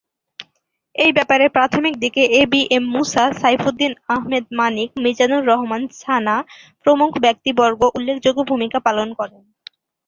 এই ব্যাপারে প্রাথমিক দিকে A B M Musa, Saifuddin Ahmed Manik, Mizanur Rahman Chhana প্রমুখ ব্যক্তিবর্গ উল্লেখযোগ্য ভূমিকা পালন করেন।